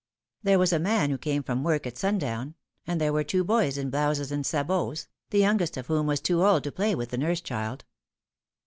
There was a man who came home from work at sundown, and there were two boys in blouses and sabots, the youngest of whom was too old to play with the nurse child.